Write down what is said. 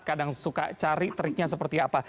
kadang suka cari triknya seperti apa